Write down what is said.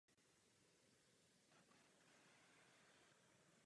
Tyto prostory jsou přístupné ze vstupní ze vstupní haly kostela.